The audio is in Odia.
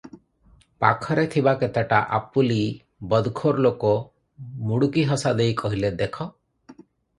ପାଖରେ ଥିବା କେତୋଟା ଆପୁଲି ବଦଖୋର ଲୋକ ମୁଡ଼ୁକିହସାଦେଇ କହିଲେ- "ଦେଖ!